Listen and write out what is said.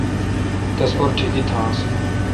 تس پر ٹھگئ تھانس۔